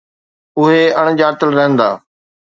اهي اڻ ڄاتل رهندا.